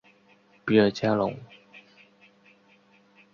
比尔加龙。